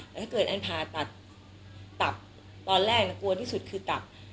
แต่ถ้าเกิดอันผ่าตัดตับตอนแรกกลัวที่สุดคือตับ